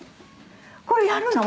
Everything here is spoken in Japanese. これやるの？